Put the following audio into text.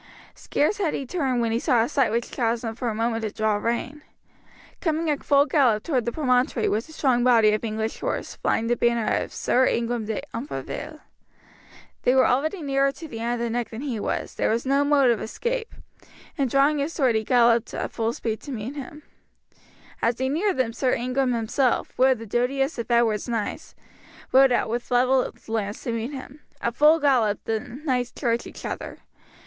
Scarce had he turned when he saw a sight which caused him for a moment to draw rein. Coming at full gallop toward the promontory was a strong body of English horse, flying the banner of Sir Ingram de Umfraville. They were already nearer to the end of the neck than he was. There was no mode of escape, and drawing his sword he galloped at full speed to meet them. As he neared them Sir Ingram himself, one of the doughtiest of Edward's knights, rode out with levelled lance to meet him. At full gallop the knights charged each other.